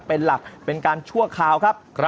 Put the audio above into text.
เป็นหลักเป็นการชั่วคราวครับ